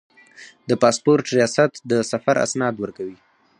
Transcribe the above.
د پاسپورت ریاست د سفر اسناد ورکوي